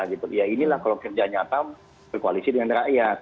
inilah kalau kerja nyata berkoalisi dengan rakyat